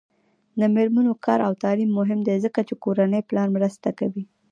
د میرمنو کار او تعلیم مهم دی ځکه چې کورنۍ پلان مرسته کوي.